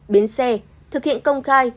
biến xe thực hiện công khai